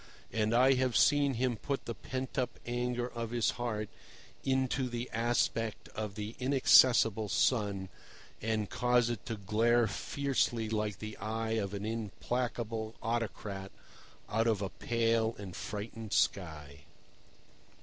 And I have seen him put the pent up anger of his heart into the aspect of the inaccessible sun, and cause it to glare fiercely like the eye of an implacable autocrat out of a pale and frightened sky.